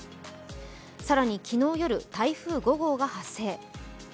更に、昨日夜、台風５号が発生。